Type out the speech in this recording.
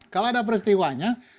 kalau ada peristiwanya